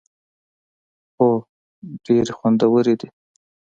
هو، ډیری خوندورې دي